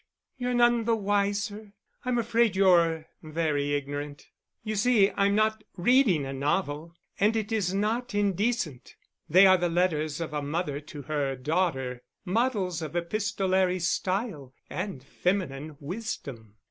"You're none the wiser? I'm afraid you're very ignorant. You see I'm not reading a novel, and it is not indecent. They are the letters of a mother to her daughter, models of epistolary style and feminine wisdom."